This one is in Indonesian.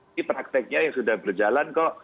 ini prakteknya yang sudah berjalan kok